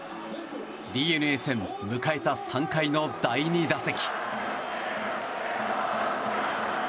ＤｅＮＡ戦、迎えた３回の第２打席。